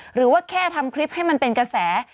หรือว่าแค่ทำคลิปให้มันเป็นกระแส